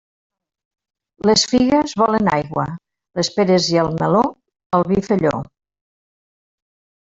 Les figues volen aigua; les peres i el meló, el vi felló.